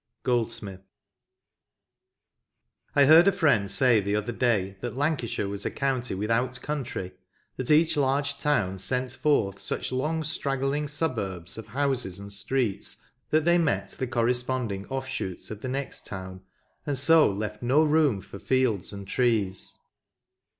Goldsmith HEARD a friend say the other day that Lancashire was a county without country, that each large town sent forth such long straggling suburbs of houses and streets, that they met the corresponding offshoots of the next town, and so left no room for fields and trees.